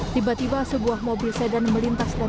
tiba tiba sebuah mobil sedan melintas dan